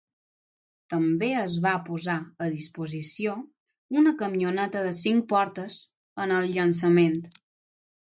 També es va posar a disposició una camioneta de cinc portes en el llançament.